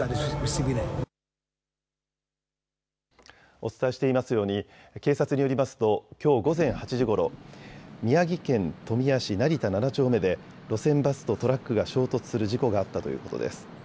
お伝えしていますように警察によりますときょう午前８時ごろ、宮城県富谷市成田７丁目で路線バスとトラックが衝突する事故があったということです。